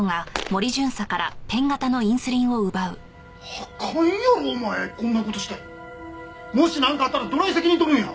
あかんやろお前こんな事してもしなんかあったらどない責任取るんや？